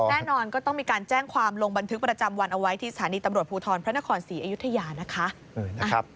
แน่นอนก็ต้องมีการแจ้งความลงบันทึกประจำวันเอาไว้ที่สถานีตำรวจภูทรพระนครศรีอยุธยานะคะ